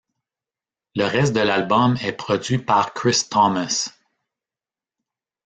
Le reste de l'album est produit par Chris Thomas.